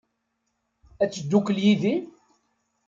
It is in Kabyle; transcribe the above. Ad teddukel yid-i?